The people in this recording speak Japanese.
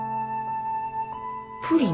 プリン？